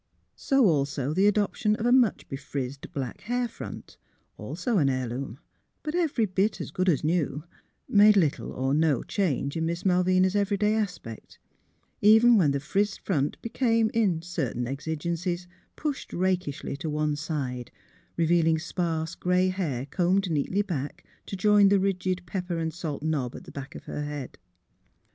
So also the adoption of a much befrizzed black hair front — also an heirloom; but every bit as good as new — made little or no change in Miss Malvina's everyday aspect; even when the frizzed front became, in certain exigencies, pushed rak ishly to one side, revealing sparse grey hair combed neatly back to join the rigid pepper and salt knob at the back of her head.